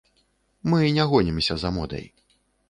Мы не гонімся за модай.